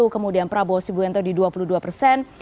kemudian prabowo subianto di dua puluh dua persen